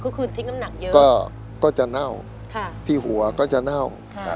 คือคือทิ้งน้ำหนักเยอะก็ก็จะเน่าค่ะที่หัวก็จะเน่าค่ะ